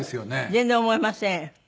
全然思えません。